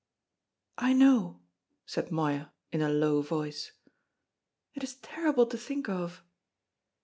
"I know," said Moya in a low voice. "It is terrible to think of!"